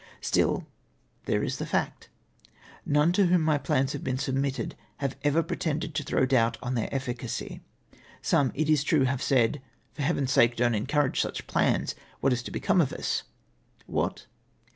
Still there is the fact. None to whom my plans have been submitted, have ever pretended to throw doubt on their efficacy. Some, it is true, have said, "For heaven's sake, don't encourage such plans, — what is to become of us ?" What